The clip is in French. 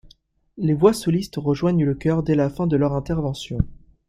Les voix solistes rejoignent le chœur dès la fin de leur intervention.